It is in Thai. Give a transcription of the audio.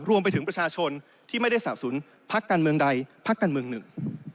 รวมไปถึงประชาชนที่ไม่ได้สะสมพักการเมืองใดพักการเมืองหนึ่ง